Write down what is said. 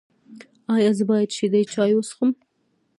ایا زه باید شیدې چای وڅښم؟